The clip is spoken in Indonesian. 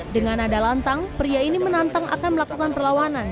dengan nada lantang pria ini menantang akan melakukan perlawanan